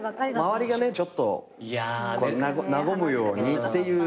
周りがちょっと和むようにっていう。